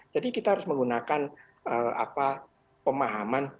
jadi kita harus menggunakan pemahaman